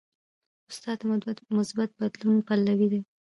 استاد د مثبت بدلون پلوی دی.